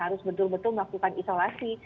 harus betul betul melakukan isolasi